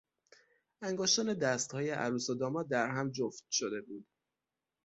انگشتان دست های عروس و داماد در هم جفت شده بود.